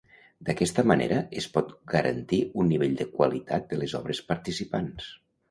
D'aquesta manera es pot garantir un nivell de qualitat de les obres participants.